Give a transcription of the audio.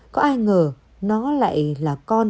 có ai ngờ nó lại là con